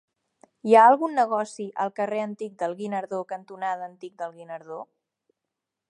Hi ha algun negoci al carrer Antic del Guinardó cantonada Antic del Guinardó?